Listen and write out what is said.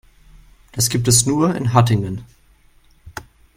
Das gibt es nur in Hattingen